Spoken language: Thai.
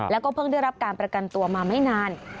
แล้วก็เพิ่งได้รับการประกันตัวมาไม่นาน